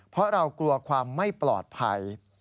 เพราะเรากลัวความไม่ปลอดภัย